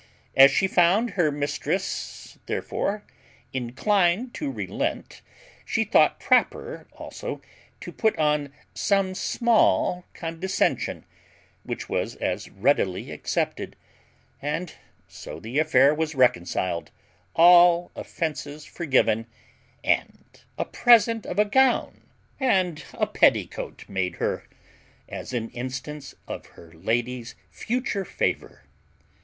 As she found her mistress, therefore, inclined to relent, she thought proper also to put on some small condescension, which was as readily accepted; and so the affair was reconciled, all offences forgiven, and a present of a gown and petticoat made her, as an instance of her lady's future favour.